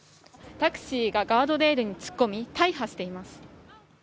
タクシーがガードレールに突っ込み、大破しています。